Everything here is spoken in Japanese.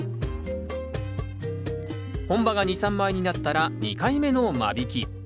本葉が２３枚になったら２回目の間引き。